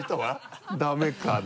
ダメかな？